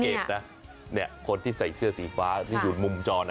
สังเกตนะคนที่ใส่เสื้อสีฟ้าที่ยุนมุมจอในนี่